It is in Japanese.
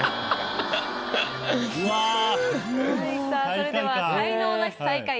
それでは才能ナシ最下位